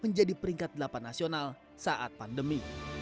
menjadi peringkat delapan nasional saat pandemi